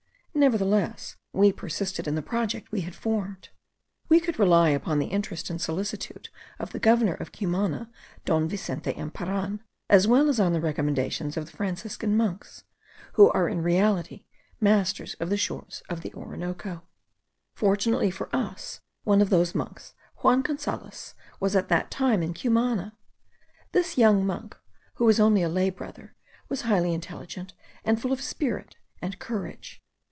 Nevertheless we persisted in the project we had formed. We could rely upon the interest and solicitude of the governor of Cumana, Don Vicente Emparan, as well as on the recommendations of the Franciscan monks, who are in reality masters of the shores of the Orinoco. Fortunately for us, one of those monks, Juan Gonzales, was at that time in Cumana. This young monk, who was only a lay brother, was highly intelligent, and full of spirit and courage.